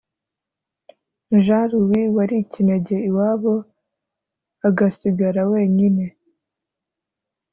Jean Louis wari ikinege iwabo agasigara wenyine